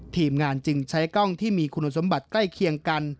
ทีมงานจึงใช้กล้องที่มีคุณสมบัติใกล้เคียงกัน